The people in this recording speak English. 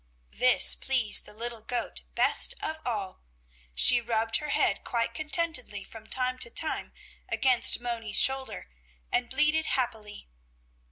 This pleased the little goat best of all. She rubbed her head quite contentedly from time to time against Moni's shoulder and bleated happily.